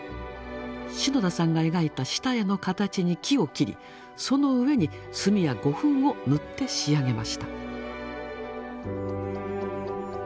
篠田さんが描いた下絵の形に木を切りその上に墨や胡粉を塗って仕上げました。